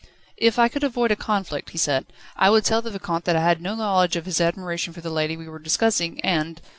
"If I could avoid a conflict," he said, "I would tell the Vicomte that I had no knowledge of his admiration for the lady we were discussing and